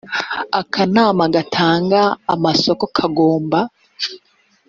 akanama gatanga amasoko kagomba